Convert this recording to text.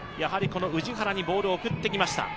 氏原にボールを送ってきました。